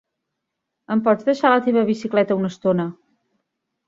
Em pots deixar la teva bicicleta una estona.